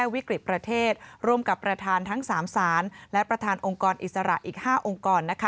วิกฤติประเทศร่วมกับประธานทั้ง๓ศาลและประธานองค์กรอิสระอีก๕องค์กร